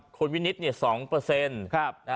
คุณวินิด๒นะครับ